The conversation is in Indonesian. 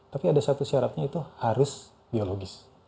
tapi ada satu syaratnya itu harus biologis